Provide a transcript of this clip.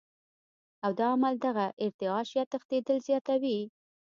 او دا عمل دغه ارتعاش يا تښنېدل زياتوي